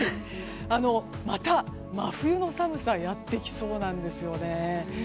また真冬の寒さがやってきそうなんですよね。